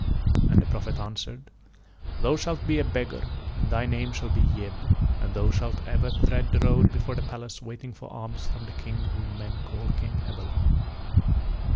And the Prophet answered: "Thou shalt be a beggar and thy name shall be Yeb, and thou shalt ever tread the road before the palace waiting for alms from the King whom men shall call Ebalon."